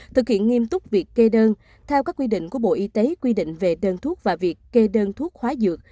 thực hiện nghiêm túc việc kê đơn theo các quy định của bộ y tế quy định về đơn thuốc và việc kê đơn thuốc hóa dược